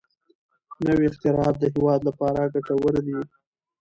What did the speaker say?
نوي اختراعات د هېواد لپاره ګټور دي.